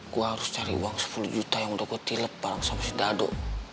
gua harus cari uang sepuluh juta yang udah gua tilep bareng sama si dado